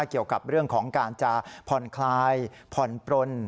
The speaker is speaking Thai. เกี่ยวกับเรื่องของการจะผ่อนคลายผ่อนปลน